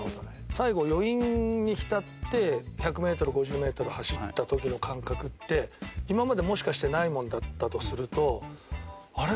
最後余韻に浸って１００メートル５０メートル走った時の感覚って今までもしかしてないもんだったとするとあれ？